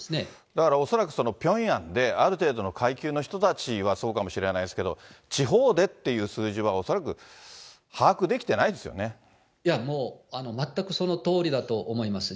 だから恐らくピョンヤンである程度の階級の人たちはそうかもしれないですけど、地方でっていう数字は、いやもう、全くそのとおりだと思います。